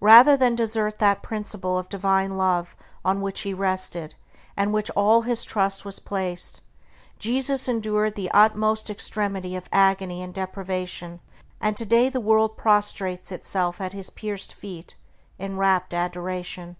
Rather than desert that principle of Divine Love on which he rested, and in which all his trust was placed, Jesus endured the utmost extremity of agony and deprivation; and today the world prostrates itself at his pierced feet in rapt adoration.